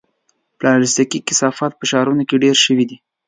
پلاستيکي کثافات په ښارونو کې ډېر شوي دي.